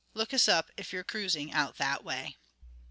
Look us up if you're cruising out that way."